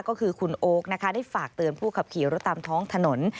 ก็คือคุณโอ๊คนะคะได้ฝากเตือนผู้ขับขี่รถตามท้องถนน